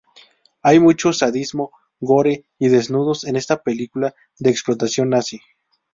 Hay mucho sadismo, gore y desnudos en esta película de Explotación nazi.